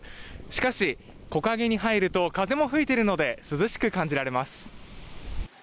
しかし、木陰に入ると風も吹いているので涼しく感じられます。